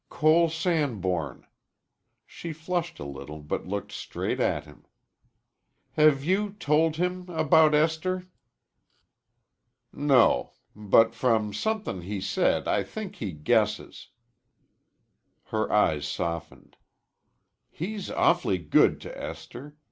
"Cole Sanborn." She flushed a little, but looked straight at him. "Have you told him about Esther?" "No. But from somethin' he said I think he guesses." Her eyes softened. "He's awf'ly good to Esther.